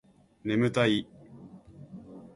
眠たい